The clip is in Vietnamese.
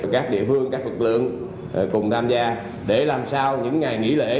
các địa phương các lực lượng cùng tham gia để làm sao những ngày nghỉ lễ